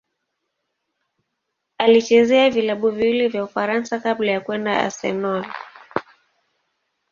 Alichezea vilabu viwili vya Ufaransa kabla ya kwenda Arsenal.